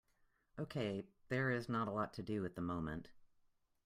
Okay, there is not a lot to do at the moment.